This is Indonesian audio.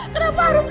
kenapa harus aku